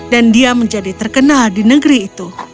dan dia menjadi terkenal di negeri itu